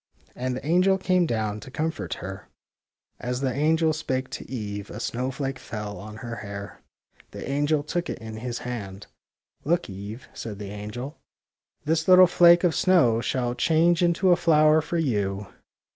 And the angel came down to comfort her. As the angel spake to Eve a snowflake fell HOW THE SNOWDROP CAME 9 on her hair. The angel took it in his hand. '' Look, Eve," said the angel. " This little flake of snow shall change into a flower for you.